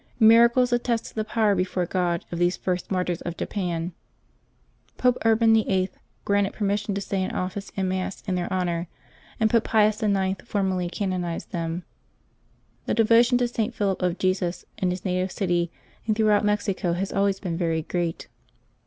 Miracles attested the power before God of these first martyrs of Japan. Pope Urban VIII. granted permission to say an Office and Mass in their honor, and Pope Pius IX. formally canonized them. The devotion to St. Philip of Jesus in his native city and throughout Mexico has always been very great.